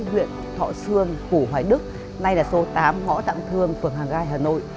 huyện thọ sương phủ hoài đức nay là số tám ngõ tạm thương phường hàng gai hà nội